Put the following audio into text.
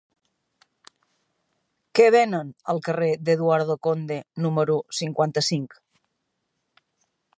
Què venen al carrer d'Eduardo Conde número cinquanta-cinc?